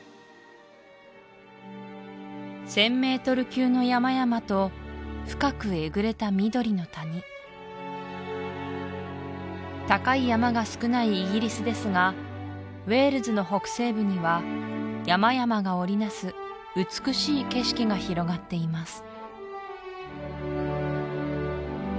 １０００ｍ級の山々と深くえぐれた緑の谷高い山が少ないイギリスですがウェールズの北西部には山々が織り成す美しい景色が広がっています